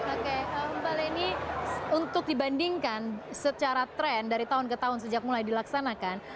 oke mbak leni untuk dibandingkan secara tren dari tahun ke tahun sejak mulai dilaksanakan